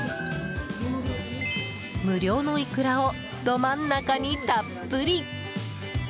無料のイクラをど真ん中にたっぷり。